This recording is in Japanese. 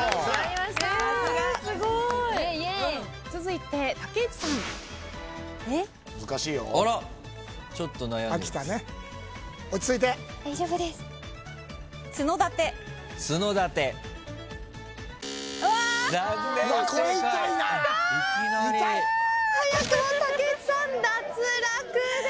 いきなり。早くも竹内さん脱落です。